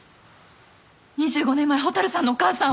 ２５年前蛍さんのお母さんを。